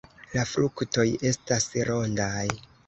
La fruktoj estas rondaj.